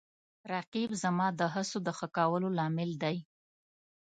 رقیب زما د هڅو د ښه کولو لامل دی